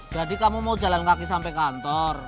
jadi kamu mau jalan kaki sampe kantor